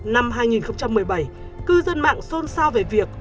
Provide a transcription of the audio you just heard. năm hai nghìn một mươi bảy cư dân mạng xôn xao về việc